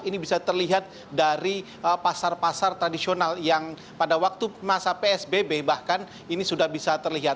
ini bisa terlihat dari pasar pasar tradisional yang pada waktu masa psbb bahkan ini sudah bisa terlihat